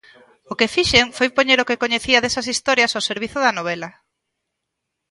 O que fixen foi poñer o que coñecía desas historias ao servizo da novela.